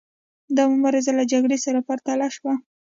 دا مبارزه له جګړې سره پرتله شوه.